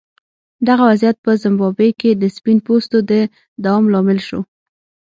دغه وضعیت په زیمبابوې کې د سپین پوستو د دوام لامل شو.